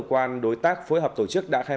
quan đối tác phối hợp tổ chức đã khai